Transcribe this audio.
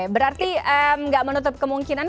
berarti tidak menutup kemungkinan